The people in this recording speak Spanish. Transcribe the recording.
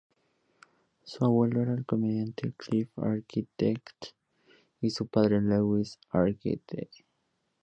Su abuelo era el comediante Cliff Arquette y su padre Lewis Arquette.